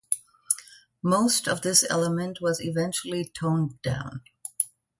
Most of this element was eventually toned down.